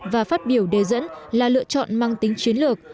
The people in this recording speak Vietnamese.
và phát biểu đề dẫn là lựa chọn mang tính chiến lược